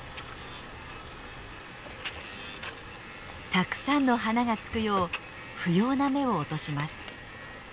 たくさんの花がつくよう不要な芽を落とします。